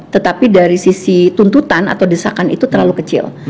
tetapi dari sisi tuntutan atau desakan itu terlalu kecil